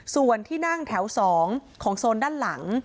ส่วนที่นั่งแถว๒ของโซนด้านหลัง